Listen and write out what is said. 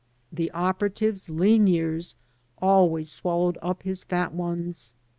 The operative's lean years always swallowed up his fat ones.